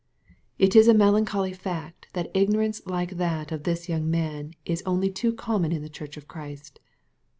It is a melancholy fact, that ignorance like that of this young mantis only too common in the Church of Christ.